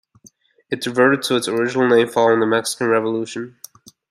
It reverted to its original name following the Mexican Revolution.